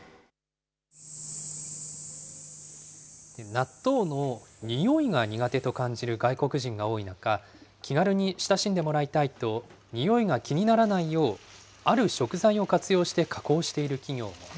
納豆の匂いが苦手と感じる外国人が多い中、気軽に親しんでもらいたいと、匂いが気にならないよう、ある食材を活用して加工している企業も。